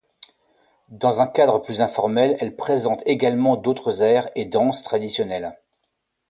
Dans un cadre plus informel elle présente également d’autres airs et danses traditionnels.